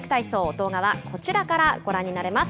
動画はこちらからご覧になれます。